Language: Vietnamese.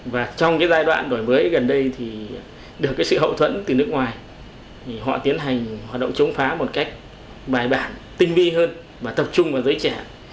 và trong giai đoạn đổi mới gần đây được sự hậu thuẫn từ nước ngoài họ tiến hành hoạt động chống phá một cách bài bản tinh vi hơn và tập trung vào giới trẻ